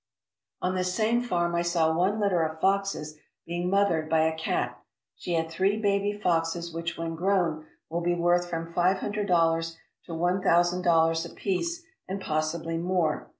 On this same farm I saw one litter of foxes being mothered by a cat. She had three baby foxes which when grown will be worth from five hundred dollars to one thousand dollars apiece, and possibly more.